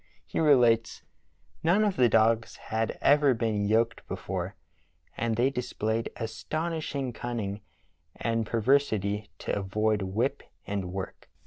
He relates: "None of the dogs had ever been yoked before, and the}' displayed astonishing cunnmg and perversity to avoid whip and work.